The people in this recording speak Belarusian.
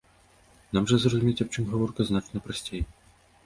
Нам жа зразумець, аб чым гаворка, значна прасцей.